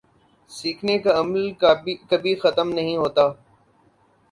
سیکھنے کا عمل کبھی ختم نہیں ہوتا